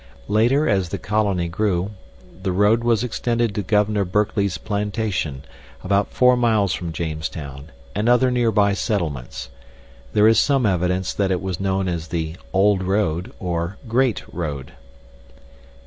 Later, as the colony grew, the road was extended to Governor Berkeley's plantation, about 4 miles from Jamestown, and other nearby settlements. There is some evidence that it was known as the "Old Road" or "Greate Road."